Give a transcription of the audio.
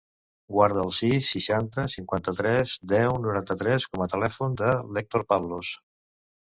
Guarda el sis, seixanta, cinquanta-tres, deu, noranta-tres com a telèfon de l'Hèctor Pablos.